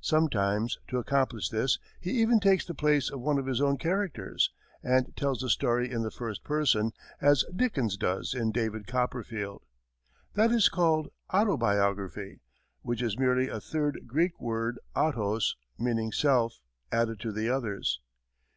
Sometimes, to accomplish this, he even takes the place of one of his own characters, and tells the story in the first person, as Dickens does in "David Copperfield." That is called autobiography, which is merely a third Greek word, "autos," meaning self, added to the others.